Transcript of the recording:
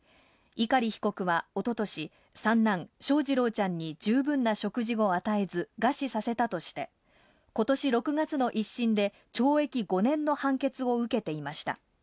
碇被告は一昨年、三男・翔士郎ちゃんに十分な食事を与えず餓死させたとして、今年６月の１審で懲役５年の判決を受けていました。